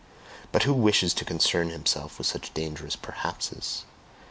But who wishes to concern himself with such dangerous "Perhapses"!